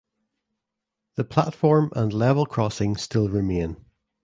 The platform and level crossing still remain.